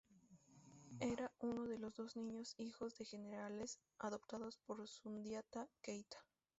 Era uno de los dos niños, hijos de generales, adoptados por Sundiata Keïta.